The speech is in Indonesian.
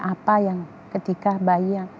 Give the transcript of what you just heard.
apa yang ketika bayi